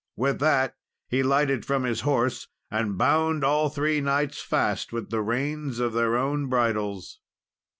With that he lighted from his horse, and bound all three knights fast with the reins of their own bridles.